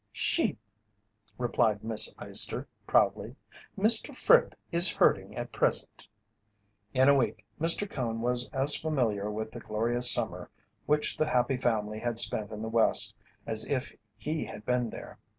"Sheep," replied Miss Eyester, proudly. "Mr. Fripp is herding at present." In a week Mr. Cone was as familiar with the glorious summer which The Happy Family had spent in the West as if he had been there.